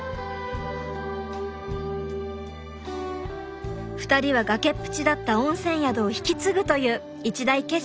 ２人は崖っぷちだった温泉宿を引き継ぐという一大決心をしました。